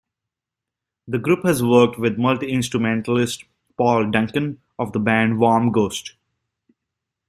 The group has worked with multi-instrumentalist Paul Duncan of the band "Warm Ghost".